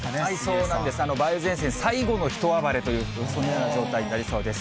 そうなんです、梅雨前線、最後の一暴れという、そんなような状態になりそうです。